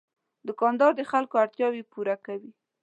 دوکاندار د خلکو اړتیاوې پوره کوي.